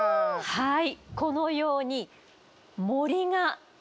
はい。